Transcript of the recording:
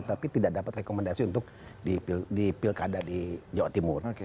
tapi tidak dapat rekomendasi untuk dipilkada di jawa timur